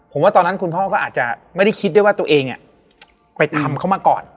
ผมว่าตอนนั้นคุณพ่อก็อาจจะไม่ได้คิดได้ว่าตัวเองไปทำเขามาก่อน